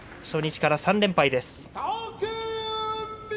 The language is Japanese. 初日から３連敗です。